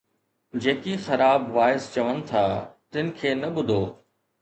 جيڪي خراب واعظ چون ٿا، تن کي نه ٻڌو